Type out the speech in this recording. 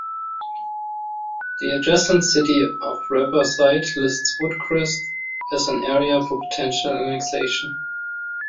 The adjacent city of Riverside lists Woodcrest as an area for potential annexation.